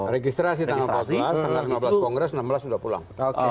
registrasi tanggal empat belas tanggal lima belas kongres enam belas sudah pulang